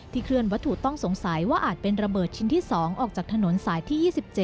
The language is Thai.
เคลื่อนวัตถุต้องสงสัยว่าอาจเป็นระเบิดชิ้นที่๒ออกจากถนนสายที่๒๗